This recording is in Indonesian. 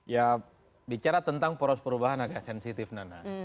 ya bicara tentang poros perubahan agak sensitif nana